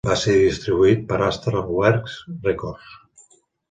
Va ser distribuït per Astralwerks Records.